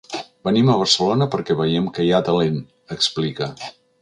Venim a Barcelona perquè veiem que hi ha talent, explica.